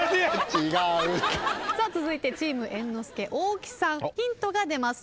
続いてチーム猿之助大木さんヒントが出ます。